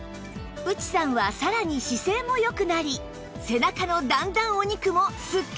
内さんはさらに姿勢も良くなり背中の段々お肉もすっきりしました